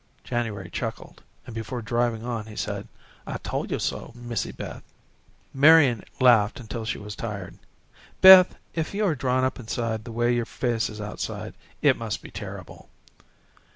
January chuckled, and, before driving on, he said: "I tole yo' so, Missy Beth." Marian laughed until she was tired. "Beth, if you are drawn up inside the way your face is outside, it must be terrible."